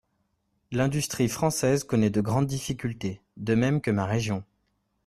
L’industrie française connaît de grandes difficultés, de même que ma région.